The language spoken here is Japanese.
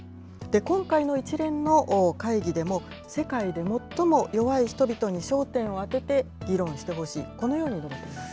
今回の一連の会議でも、世界で最も弱い人々に焦点を当てて議論してほしい、このように述べています。